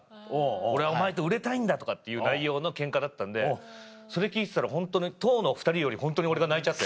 「俺はお前と売れたいんだ」っていう内容のケンカだったんでそれ聞いてたらホントに当の２人より俺が泣いちゃって。